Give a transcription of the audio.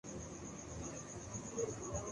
قوائد پر پابند رہتا ہوں